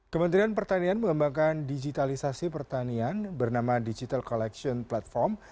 kementerian pertanian mengembangkan digitalisasi pertanian bernama digital collection platform